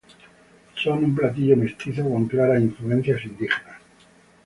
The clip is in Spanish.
Son un platillo mestizo, con claras influencias indígenas.